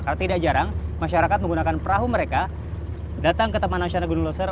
karena tidak jarang masyarakat menggunakan perahu mereka datang ke taman nasional gunung leuser